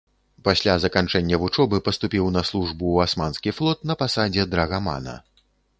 Пасля заканчэння вучобы паступіў на службу ў асманскі флот на пасадзе драгамана.